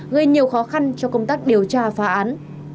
gây nhiều khó khăn cho công tác điều tra phá án